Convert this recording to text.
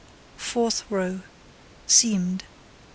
Fourth row: Seamed.